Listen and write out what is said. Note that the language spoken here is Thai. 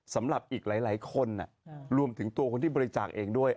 สำหรับอีกหลายคนรวมถึงตัวคนที่บริจาคเองด้วย